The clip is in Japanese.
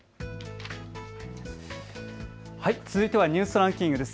続いてはニュースランキングです。